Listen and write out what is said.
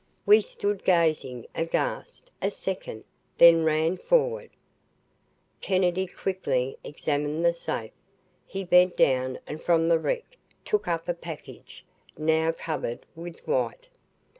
We stood gazing, aghast, a second, then ran forward. Kennedy quickly examined the safe. He bent down and from the wreck took up a package, now covered with white.